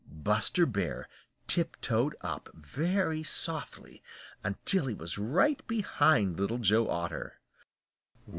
Buster Bear tiptoed up very softly until he was right behind Little Joe Otter.